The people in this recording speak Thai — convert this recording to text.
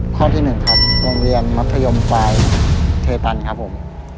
ตัวเลือกที่หนึ่งครับโรงเรียนมัธยมปลายเทตันครับผม